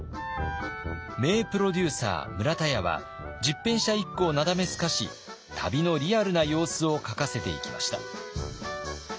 名プロデューサー村田屋は十返舎一九をなだめすかし旅のリアルな様子を書かせていきました。